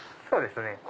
そうですね。